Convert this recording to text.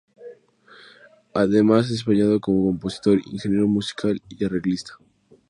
Además se ha desempeñado como compositor, ingeniero musical y arreglista.